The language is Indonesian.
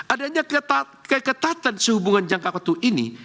adanya keketatan sehubungan jangka waktu ini